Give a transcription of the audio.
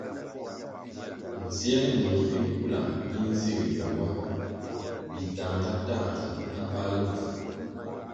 Nziē nung bikula mi nzig ywe wa bi tahnga- tahnga bi bali bvu.